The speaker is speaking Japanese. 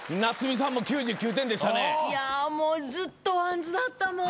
いやもうずっとＷＡＮＤＳだったもん。